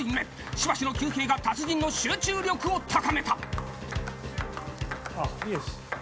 しばしの休憩が達人の集中力を高あっ、いいです。